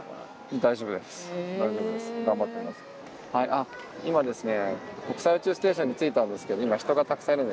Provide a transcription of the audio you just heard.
あっ今ですね